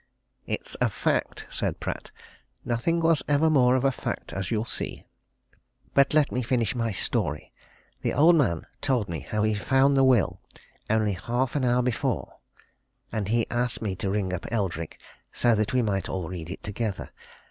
"It's a fact!" said Pratt. "Nothing was ever more a fact as you'll see. But let me finish my story. The old man told me how he'd found the will only half an hour before and he asked me to ring up Eldrick, so that we might all read it together.